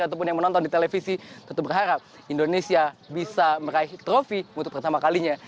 ataupun yang menonton di televisi tentu berharap indonesia bisa meraih trofi untuk pertama kalinya